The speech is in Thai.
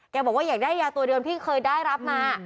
บอกว่าอยากได้ยาตัวเดิมที่เคยได้รับมา